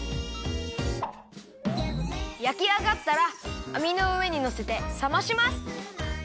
やきあがったらあみのうえにのせてさまします！